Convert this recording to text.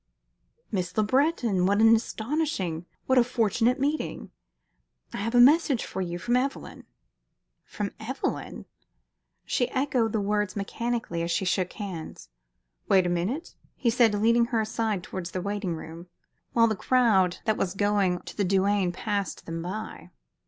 "Miss Le Breton! What an astonishing, what a fortunate meeting! I have a message for you from Evelyn." "From Evelyn?" She echoed the words mechanically as she shook hands. "Wait a moment," he said, leading her aside towards the waiting room, while the crowd that was going to the douane passed them by.